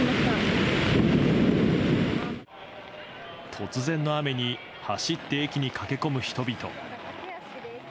突然の雨に走って駅に駆け込む人々。